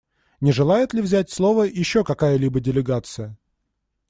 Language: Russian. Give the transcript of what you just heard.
Не желает ли взять слово еще какая-либо делегация?